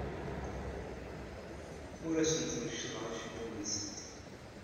Ur asent-meccḍeɣ acebbub-nsent.